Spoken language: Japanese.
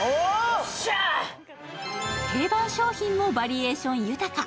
定番商品もバリエーション豊か。